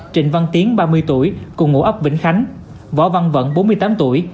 trịnh văn tiến ba mươi tuổi cùng ngụ ấp vĩnh khánh võ văn vận bốn mươi tám tuổi